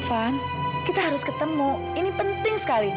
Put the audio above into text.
van kita harus ketemu ini penting sekali